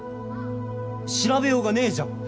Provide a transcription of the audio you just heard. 調べようがねえじゃん。え？